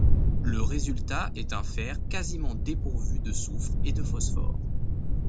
Le résultat est un fer quasiment dépourvu de soufre et de phosphore.